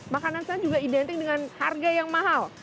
makanan saya juga identik dengan harga yang mahal